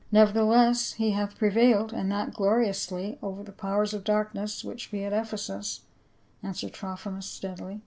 " Nevertheless he hath prevailed, and that glori ously, over the powers of darkness which be at Ephesus," answered Trophimus steadily.